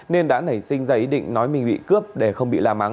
nên đã nảy sinh giấy định nói mình bị cướp để không bị la mắng